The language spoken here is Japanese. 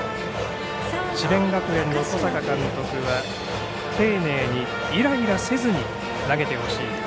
智弁学園の小坂監督は丁寧にイライラせずに投げてほしい。